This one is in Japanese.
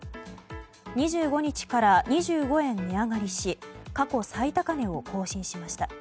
２５日から２５円値上がりし過去最高値を更新しました。